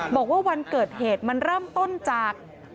บอกว่าวันเกิดเหตุมันเริ่มต้นจาก